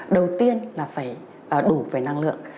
đầu tiên là phải đủ về năng lượng